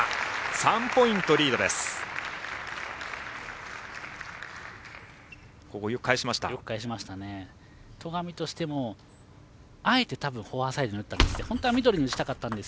３ポイント、リードです。